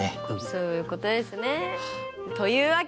そういうことですね。というわけでバイバイ！